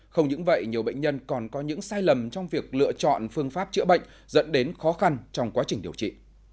không những vậy nhiều bệnh nhân còn có những sai lầm trong việc lựa chọn phương pháp chữa bệnh dẫn đến khó khăn trong quá trình điều trị